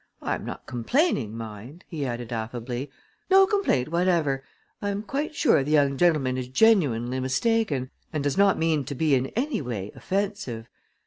I am not complaining, mind," he added affably; "no complaint whatever! I am quite sure the young gentleman is genuinely mistaken and does not mean to be in any way offensive.